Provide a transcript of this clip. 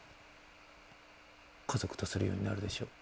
家族とするようになるでしょう。